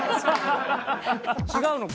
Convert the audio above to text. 違うのか。